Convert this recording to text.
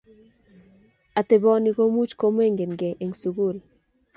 Ateboni komuch komongkei eng sukul